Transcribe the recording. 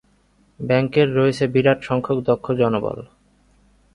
ব্যাংকের রয়েছে বিরাট সংখ্যক দক্ষ জনবল।